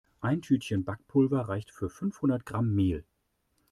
Ein Tütchen Backpulver reicht für fünfhundert Gramm Mehl.